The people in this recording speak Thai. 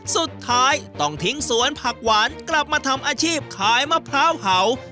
สุดท้ายต้องทิ้งสวนผักหวานกลับมาทำอาชีพขายมะพร้าวเห่า